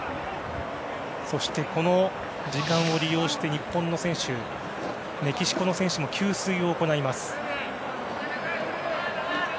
そして、この時間を利用して日本の選手、メキシコの選手も給水を行います。